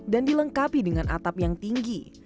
dan dilengkapi dengan atap yang tinggi